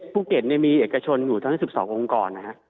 ภูเก็ตมีเอกชนอยู่ทั้ง๑๒องค์กรนะฮะ